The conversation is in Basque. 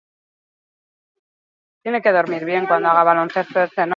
Bidaian bere bizitzaren iragana eta etorkizuna ikusten du.